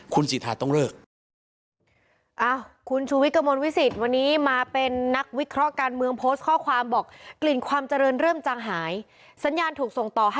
คุณสิทธาต้องเลิก